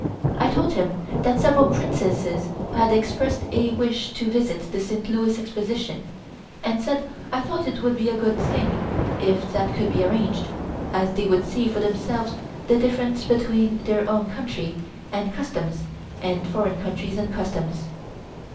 I told him that several Princesses had expressed a wish to visit the St. Louis Exposition and said I thought it would be a good thing if that could be arranged as they would see for themselves the difference between their own country and customs and foreign countries and customs.